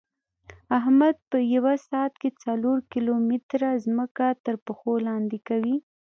احمد په یوه ساعت کې څلور کیلو متېره ځمکه ترپښو لاندې کوي.